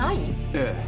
ええ。